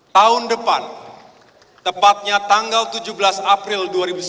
tahun depan tepatnya tanggal tujuh belas april dua ribu sembilan belas